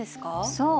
そう。